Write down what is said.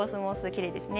きれいですね。